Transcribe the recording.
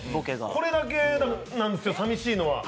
これだけなんですよ、さみしいのは。